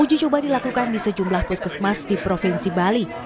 uji coba dilakukan di sejumlah puskesmas di provinsi bali